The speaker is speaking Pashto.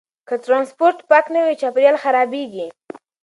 که ټرانسپورټ پاک نه وي، چاپیریال خرابېږي.